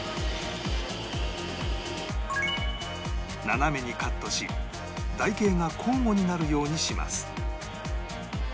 斜めにカットし台形が交互になるようにします